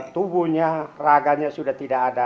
tubuhnya raganya sudah tidak ada